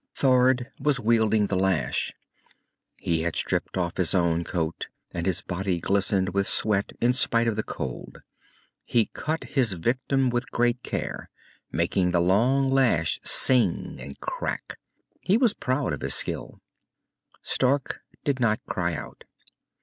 Thord was wielding the lash. He had stripped off his own coat, and his body glistened with sweat in spite of the cold. He cut his victim with great care, making the long lash sing and crack. He was proud of his skill. Stark did not cry out.